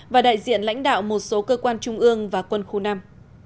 và đại diện lãnh đạo một số cơ quan trung ương và quân khu năm